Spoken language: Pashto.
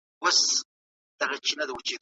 ولي ځیني وختونه بې پلانه کار کول ذهن اراموي؟